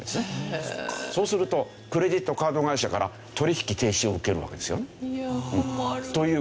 そうするとクレジットカード会社から取引停止を受けるわけですよね。という事が。